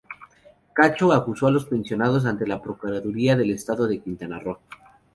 Cacho acusó a los mencionados ante la Procuraduría del Estado de Quintana Roo.